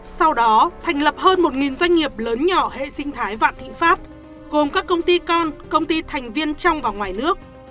sau đó thành lập hơn một doanh nghiệp lớn nhỏ hệ sinh thái vạn thịnh pháp gồm các công ty con công ty thành viên trong và ngoài nước